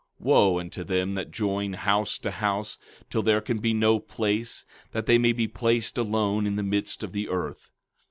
15:8 Wo unto them that join house to house, till there can be no place, that they may be placed alone in the midst of the earth!